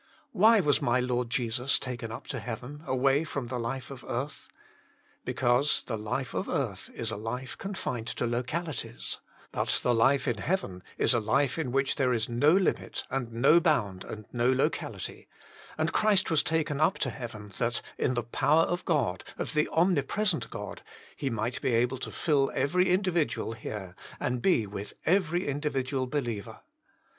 Why was my Lord Jesus taken up to heaven away from the life of earth? Because the life of earth is a life confined to locali ties, but the life in heaven is a life in which there is no limit and no bound and no locality, and Christ was taken up to heaven, that, in the power of God, of the omnipresent God, He might be able to fill every individual here and be with every individual be liever.